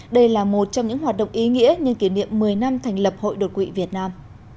đây là một trong những hoạt động ý nghĩa nhân kỷ niệm một mươi năm thành lập hội đột quỵ việt nam